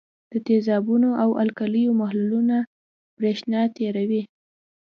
د تیزابونو او القلیو محلولونه برېښنا تیروي.